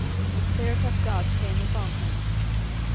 =The Spirit of God came upon him.